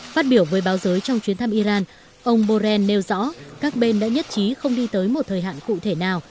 phát biểu với báo giới trong chuyến thăm iran ông borrell nêu rõ các bên đã nhất trí không đi tới một thời hạn cụ thể nào